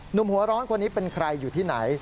หนุ่มหัวร้อนคนนี้เป็นใครอยู่ที่ไหน